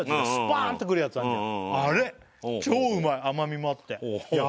超うまい甘みもあってヤ